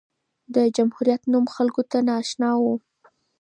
د جمهوریت نوم خلکو ته نااشنا و.